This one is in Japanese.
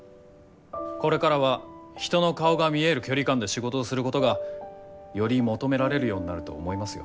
これからは人の顔が見える距離感で仕事をすることがより求められるようになると思いますよ。